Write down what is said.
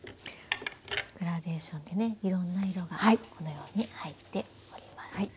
グラデーションでねいろんな色がこのように入っております。